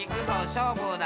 しょうぶだ。